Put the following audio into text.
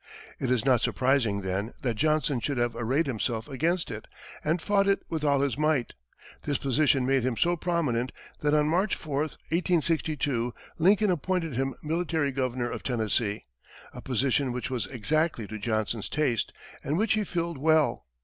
It is not surprising, then, that Johnson should have arrayed himself against it, and fought it with all his might. This position made him so prominent, that on March 4, 1862, Lincoln appointed him military governor of Tennessee a position which was exactly to Johnson's taste and which he filled well.